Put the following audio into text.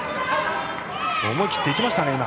思い切って行きましたね、今。